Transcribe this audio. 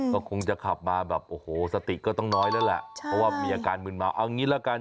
ก็คงจะขับมาแบบโอ้โหสติก็ต้องน้อยแล้วแหละเพราะว่ามีอาการมืนเมาเอางี้ละกัน